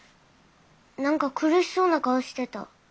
何か苦しそうな顔してた。